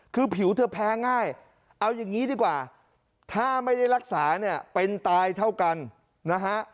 คือผิวเธอแพ้ง่ายเอาอย่างนี้ดีกว่าถ้าไม่ได้รักษาเนี่ยเป็นตายเท่ากันนะฮะ